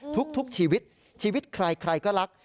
ทุกชีวิตชีวิตใครใครก็รัก